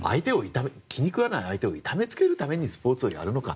気に食わない相手を痛めつけるためにスポーツをやるのか。